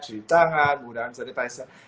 cuci tangan menggunakan sanitizer